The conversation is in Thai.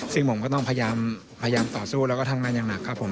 ซึ่งผมก็ต้องพยายามต่อสู้แล้วก็ทำงานอย่างหนักครับผม